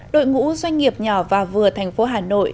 đội ngũ doanh nghiệp nhỏ và vừa thành phố hà nội đã và đại gia đình